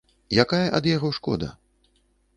Якая ад яго шкода?